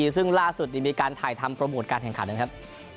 ซึ่งล่าสุดมีการถ่ายทำโปรโมทการแข่งขันนะครับ